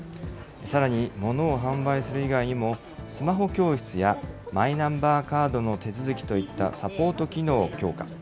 さらに、モノを販売する以外にも、スマホ教室や、マイナンバーカードの手続きといった、サポート機能を強化。